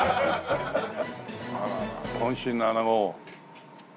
あらら渾身の穴子を。